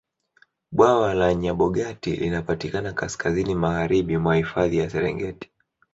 bwawa la nyabogati linapatikana kaskazini magharibi mwa hifadhi ya serengeti